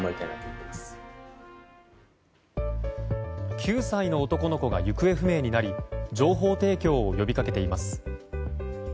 ９歳の男の子が行方不明になり情報提供を呼び掛けています。